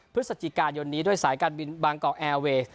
พฤศจิกายนนี้ด้วยสายการบินบางกอกแอร์เวย์